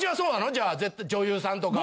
じゃあ女優さんとか？